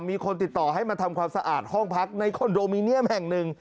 มีคนติดต่อให้มาทำความสะอาดห้องพักในคอนโดมิเนียมแห่งหนึ่ง